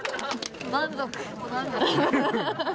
満足。